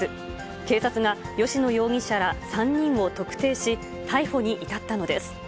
警察が吉野容疑者ら３人を特定し、逮捕に至ったのです。